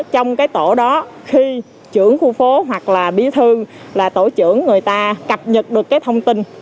trong cái tổ đó khi trưởng khu phố hoặc là bí thư là tổ trưởng người ta cập nhật được cái thông tin